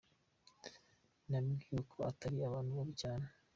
Nabwiwe ko ari abantu babi cyane.